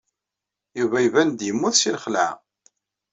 Yuba iban-d yemmut seg lxelɛa.